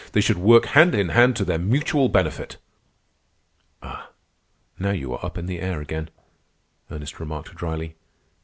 They should work hand in hand and to their mutual benefit." "Ah, now you are up in the air again," Ernest remarked dryly.